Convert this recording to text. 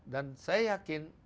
dan saya yakin